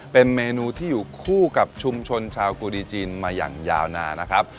เป็นเมนูที่อยู่คู่กับชุมชนชาวกุดีจีนมาอย่างยาวนานนะครับ